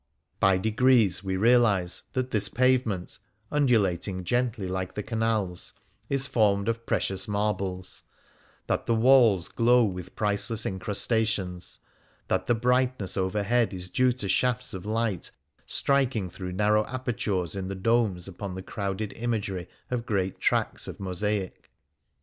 By degrees we realize that this pavement, undulat 63 Things Seen in Venice ing gently like the canals, is formed of precious marbles ; that the walls glow with priceless incrustations ; that the brightness overhead is due to shafts of light striking through narrow apertures in the domes upon the crowded imagery of great tracts of mosaic.